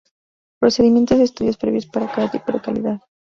Procedimientos de estudios previos para cada tipo de calidad.